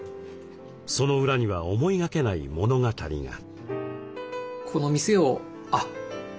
その裏には思いがけない物語が。